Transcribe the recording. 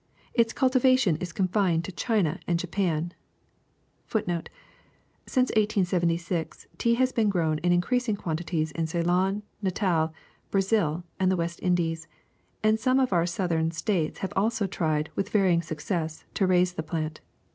Its cultivation is confined to China and Japan.^ 1 Since 1876 tea has been grown in increasing quantities in Ceylon, Natal, Brazil, and the West Indies; and some of our own southern States have also tried, with varying success, to raise the plant.